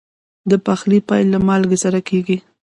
د پخلي پیل له مالګې سره کېږي.